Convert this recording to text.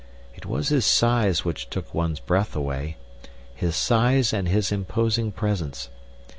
It was his size which took one's breath away his size and his imposing presence.